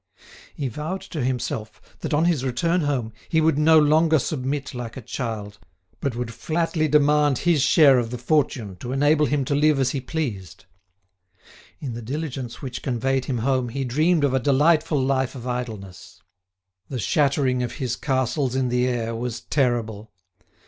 He vowed to himself that on his return home he would no longer submit like a child, but would flatly demand his share of the fortune to enable him to live as he pleased. In the diligence which conveyed him home he dreamed of a delightful life of idleness. The shattering of his castles in the air was terrible.